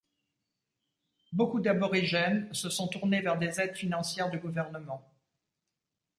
Beaucoup d'aborigènes se sont tournés vers des aides financières du gouvernement.